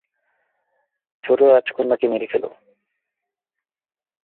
ছোট রাজকন্যাকে মেরে ফেলো।